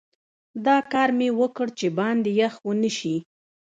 دا کار مې وکړ چې باندې یخ ونه شي.